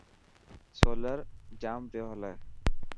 سولر جام پيو هلي.